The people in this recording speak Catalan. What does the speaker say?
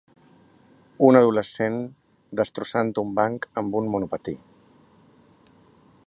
Un adolescent destrossant un banc amb un monopatí.